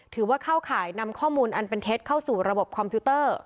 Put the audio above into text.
ถือว่าเข้าข่ายนำข้อมูลอันเป็นเท็จเข้าสู่ระบบคอมพิวเตอร์